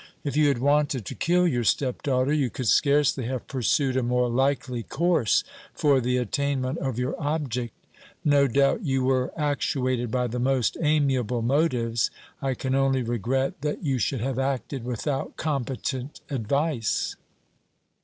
If you had wanted to kill your stepdaughter, you could scarcely have pursued a more likely course for the attainment of your object. No doubt you were actuated by the most amiable motives. I can only regret that you should have acted without competent advice."